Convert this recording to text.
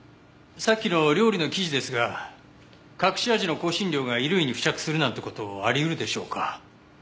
さっきの料理の記事ですが隠し味の香辛料が衣類に付着するなんて事あり得るでしょうか？